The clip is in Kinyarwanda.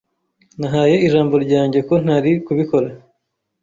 Nahaye ijambo ryanjye ko ntari kubikora.